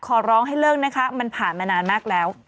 ขอร้องให้เลิกนะคะมันผ่านมานานมากแล้ว